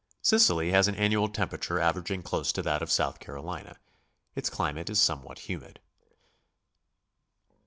Sicily has an annual temperature averaging close to that of South Carolina. Its climate is somewhat humid.